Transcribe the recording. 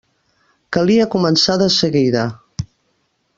Calia començar de seguida.